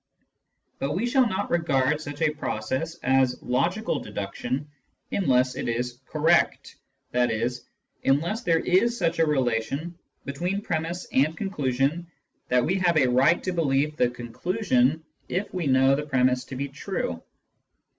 But we shall not regard such a process as logical deduction unless it is correct, i.e. unless there is such a relation between premiss and conclusion that we have a right to believe the conclusion 10 146 Introduction to Mathematical Philosophy if we know the premiss to be true.